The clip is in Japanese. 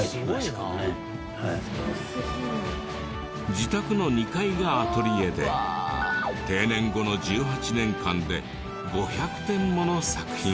自宅の２階がアトリエで定年後の１８年間で５００点もの作品を。